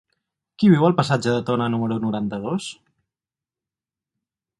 Qui viu al passatge de Tona número noranta-dos?